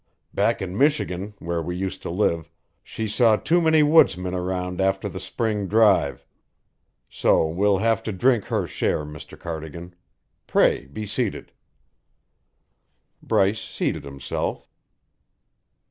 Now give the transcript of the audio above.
Back in Michigan, where we used to live, she saw too many woodsmen around after the spring drive. So we'll have to drink her share, Mr. Cardigan. Pray be seated." Bryce seated himself.